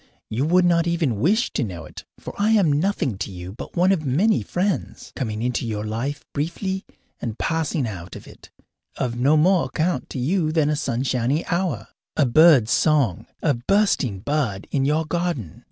You would not even wish to know it, for I am nothing to you but one of many friends, coming into your life briefly and passing out of it, of no more account to you than a sunshiny hour, a bird's song, a bursting bud in your garden.